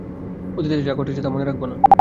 অতীতে যা ঘটেছে তা মনে রাখব না।